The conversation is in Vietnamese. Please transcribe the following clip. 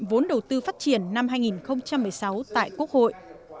vốn đầu tư phát triển năm hai nghìn một mươi sáu tại quốc hội